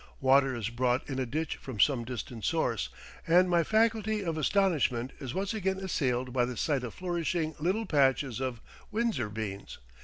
Water is brought in a ditch from some distant source, and my faculty of astonishment is once again assailed by the sight of flourishing little patches of "Windsor beans."